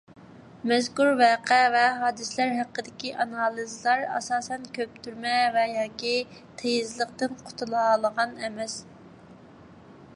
مەزكۇر ۋەقە ۋە ھادىسىلەر ھەققىدىكى ئانالىزلار ئاساسەن كۆپتۈرمە ۋە ياكى تېيىزلىقتىن قۇتۇلالىغان ئەمەس.